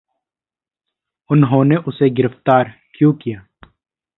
उन्होंने उसे गिरफ़्तार क्यों किया?